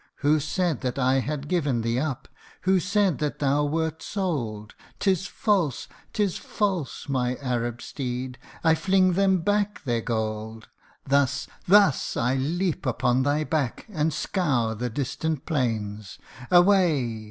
Who said that I had given thee up ? Who said that thou wert sold ? 'Tis false 'tis false, my Arab steed ! I fling them back their gold ! Thus, thus, I leap upon thy back, and scour the distant plains ; Away